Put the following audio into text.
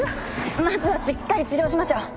まずはしっかり治療しましょう。